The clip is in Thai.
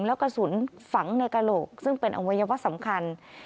แล้วกระสุนฝังในกระโหลกซึ่งเป็นอวัยวะสำคัญ